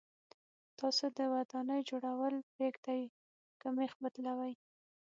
تاسو د ودانۍ جوړول پرېږدئ که مېخ بدلوئ.